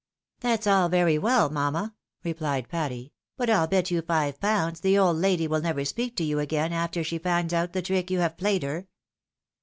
"That's all very well, manuna," replied Patty ; "but I'U bet you five pounds the old lady wiU never speak to you again after she finds out the trick you have played her."